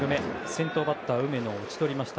先頭バッターの梅野を打ち取りました。